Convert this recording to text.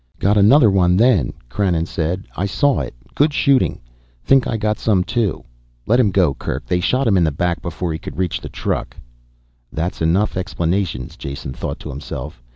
"Got another one then," Krannon said. "I saw it. Good shooting. Think I got some, too. Let him go Kerk, they shot him in the back before he could reach the truck." That's enough explanations, Jason thought to himself.